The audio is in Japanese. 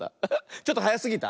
ちょっとはやすぎた？